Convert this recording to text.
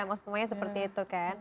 maksudnya seperti itu kan